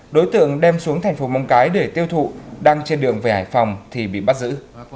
đối tượng đem xuống thành phố móng cái để tiêu thụ đang trên đường về hải phòng thì bị bắt giữ